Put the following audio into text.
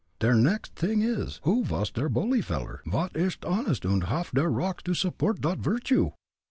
Der next t'ing is, who vas der bully veller, vot ish honest und haff der rocks to support dot virtue?"